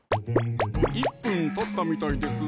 １分たったみたいですぞ！